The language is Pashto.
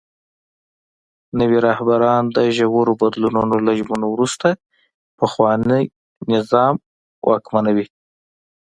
نوي رهبران د ژورو بدلونونو له ژمنو وروسته پخواني نظام واکمنوي.